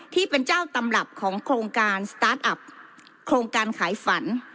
ที่เป็นเจ้าตำรับของโครงการสตาร์ทอัพโครงการขายฝัน